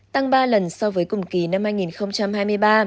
tăng ba lần so với cùng kỳ năm hai nghìn hai mươi ba